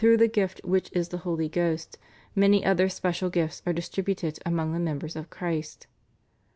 the gift which is the Holy Ghost, many other special gifts are distributed among the members of Christ."